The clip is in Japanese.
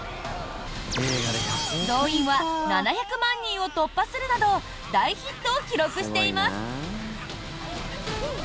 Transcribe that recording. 動員は７００万人を突破するなど大ヒットを記録しています。